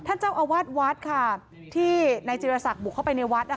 ท่านเจ้าอาวาสวัดค่ะที่นายจิรษักบุกเข้าไปในวัด